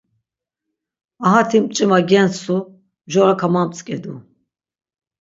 Ahati mç̆ima gentsu, mjora kamamtzǩedu.